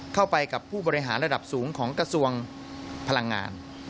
เข้าไปกับผู้บริหารระดับสูงของกระทรวงพลังงาน